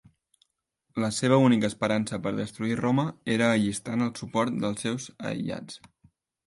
La seva única esperança per destruir Roma era allistant el suport dels seus aïllats.